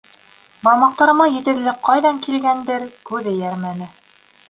Бармаҡтарыма етеҙлек ҡайҙан килгәндер, күҙ эйәрмәне.